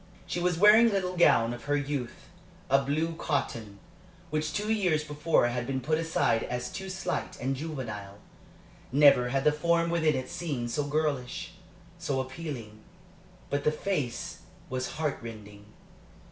She was wearing a little gown of her youth, a blue cotton, which two years before had been put aside as too slight and juvenile. Never had the form within it seemed so girlish, so appealing. But the face was heart rending.